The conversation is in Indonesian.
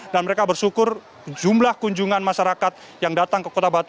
dan mereka bersyukur jumlah kunjungan masyarakat yang datang ke kota batu